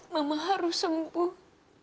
mama harus sembuh